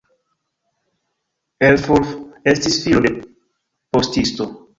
Herfurth estis filo de postisto.